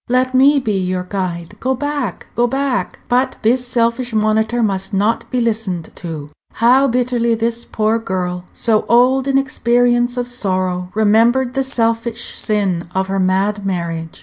Let me be your guide. Go back, go back!" But this selfish monitor must not be listened to. How bitterly this poor girl, so old in experience of sorrow, remembered the selfish sin of her mad marriage!